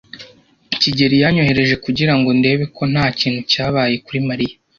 kigeli yanyohereje kugirango ndebe ko nta kintu cyabaye kuri Mariya.